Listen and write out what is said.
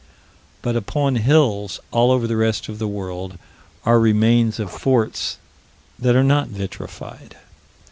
But upon hills, all over the rest of the world, are remains of forts that are not vitrified.